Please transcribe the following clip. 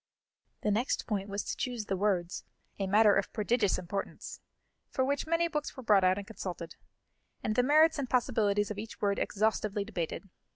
The next point was to choose the words, a matter of prodigious importance, for which many books were brought out and consulted, and the merits and possibilities of each word exhaustively debated.